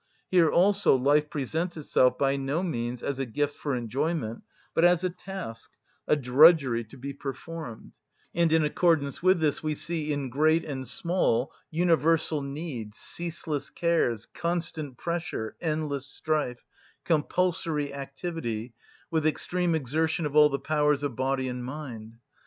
Here also life presents itself by no means as a gift for enjoyment, but as a task, a drudgery to be performed; and in accordance with this we see, in great and small, universal need, ceaseless cares, constant pressure, endless strife, compulsory activity, with extreme exertion of all the powers of body and mind.